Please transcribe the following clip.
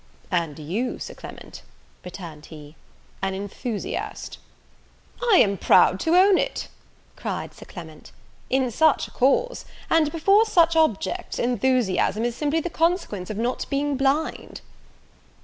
"And you, Sir Clement," returned he, "an enthusiast." "I am proud to own it," cried Sir Clement; "in such a cause, and before such objects, enthusiasm is simply the consequence of not being blind."